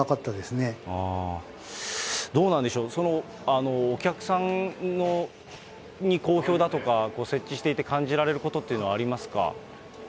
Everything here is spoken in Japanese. どうなんでしょう、お客さんに好評だとか、設置していて感じられることっていうのはありますか。